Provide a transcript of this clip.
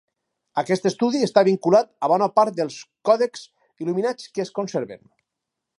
Aquest estudi està vinculat a bona part dels còdexs il·luminats que es conserven.